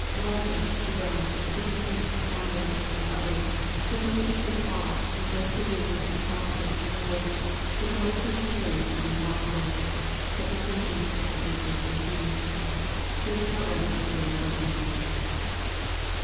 Origen, Jerome, Chrysostom, Ambrose, and others, suppose that St Paul refers to Luke and his Gospel, in the words, " the brother whose praise is in the GospeL" (2 Cor. viii. 18.) — This however is very questionable.